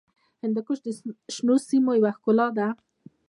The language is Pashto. هندوکش د شنو سیمو یوه ښکلا ده.